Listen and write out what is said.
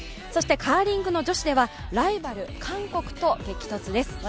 そしてカーリングの女子ではライバル・韓国と激突です。